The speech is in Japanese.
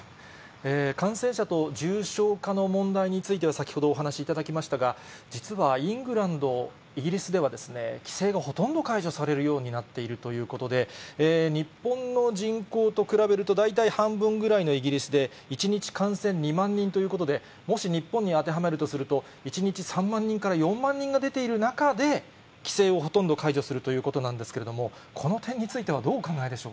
感染者と重症化の問題については、先ほどお話いただきましたが、実はイングランド、イギリスでは規制がほとんど解除されるようになっているということで、日本の人口と比べると、大体半分ぐらいのイギリスで、１日感染２万人ということで、もし日本に当てはめるとすると、１日３万人から４万人が出ている中で、規制をほとんど解除するということなんですけれども、この点につ